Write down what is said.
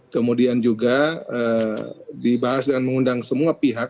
kemudian juga dibahas dan mengundang semua pihak